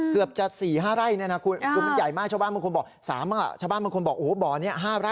เกือบจะ๔๕ไร่นะครับคุณ